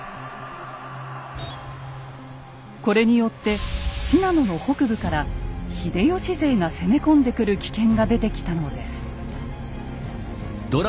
これによって信濃の北部から秀吉勢が攻め込んでくる危険が出てきたのです。